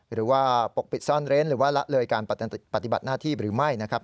ปกปิดซ่อนเร้นหรือว่าละเลยการปฏิบัติหน้าที่หรือไม่นะครับ